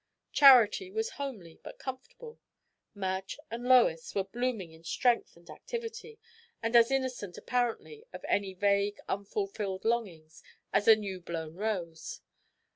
Charity was homely, but comfortable. Madge and Lois were blooming in strength and activity, and as innocent apparently of any vague, unfulfilled longings as a new blown rose.